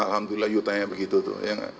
alhamdulillah yutanya begitu tuh